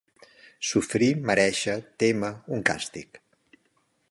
Sofrir, merèixer, témer, un càstig.